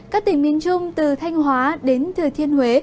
các tỉnh miền trung từ thanh hóa đến thừa thiên huế